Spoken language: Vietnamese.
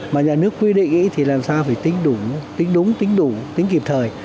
mà nhà nước quy định thì làm sao phải tính đúng tính đủ tính kịp thời